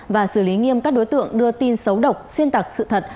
và xử lý nghiêm các đối tượng đưa tin xấu độc xuyên tạc sự thật